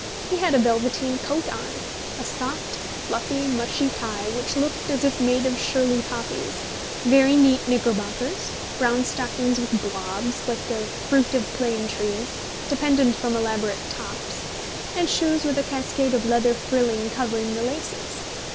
He had a velveteen coat on, a soft, fluffy, mushy tie which looked as if made of Shirley poppies, very neat knickerbockers, brown stockings with blobs, like the fruit of plane trees, dependent from elaborate "tops", and shoes with a cascade of leather frilling covering the laces.